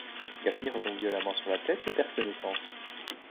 Gasmi retombe violemment sur la tête et perd connaissance.